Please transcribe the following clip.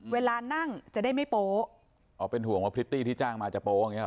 เวลานั่งจะได้ไม่โป๊อ๋อเป็นห่วงว่าพริตตี้ที่จ้างมาจะโป๊อย่างเงี้